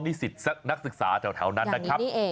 นักศึกษาแถวนั้นนะครับ